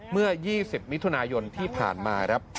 เมื่อ๒๐มิถุนายนที่ผ่านมาครับ